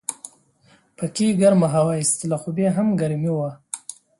پکې ګرمه هوا ایستله خو بیا هم ګرمي وه.